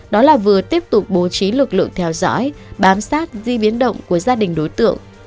đó là vừa tiếp tục bố trí lực lượng theo dõi bám sát di biến động của gia đình đối tượng